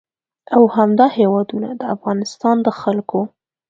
او همدا هېوادونه د افغانستان د خلکو